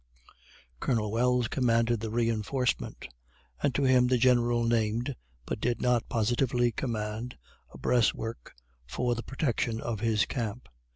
Colonel Wells commanded the reinforcement; and to him the General named, but did not positively command, a breast work for the protection of his camp.